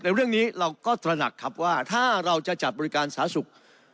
เรื่องนี้เราก็ตระหนักครับว่าถ้าเราจะจัดบริการสาธารณสุข